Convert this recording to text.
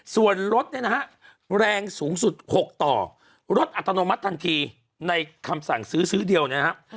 ส่วนรถเนี่ยนะฮะแรงสูงสุด๖ต่อรถอัตโนมัติทันทีในคำสั่งซื้อซื้อเดียวนะครับ